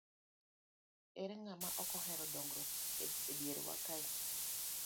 Ere ng'ama ok ohero dongruok e dierwa kae?